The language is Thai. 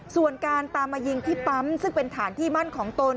ส่วนการตามมายิงที่ปั๊มซึ่งเป็นฐานที่มั่นของตน